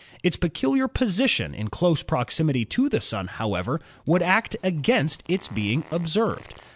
Its peculiar position in close proximity to the Sun, how ever, would act against its being observed.